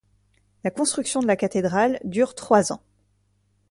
La construction de la cathédrale dure trois ans.